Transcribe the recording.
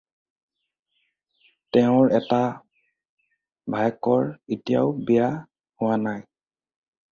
তেওঁৰ এটা ভায়েকৰ এতিয়াও বিয়া হোৱা নাই।